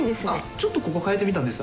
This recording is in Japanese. ちょっとここ変えてみたんです。